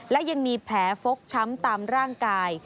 และยังมีแผลฟกช้ำตามร่างกาย